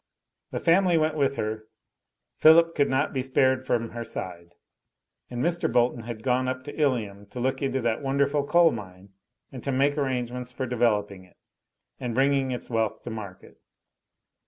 The family went with her. Philip could not be spared from her side, and Mr. Bolton had gone up to Ilium to look into that wonderful coal mine and to make arrangements for developing it, and bringing its wealth to market.